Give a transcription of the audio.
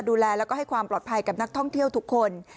ดูแลแล้วก็ให้ความปลอดภัยกับนักท่องเที่ยวทุกคน